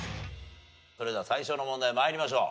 それでは最初の問題参りましょう。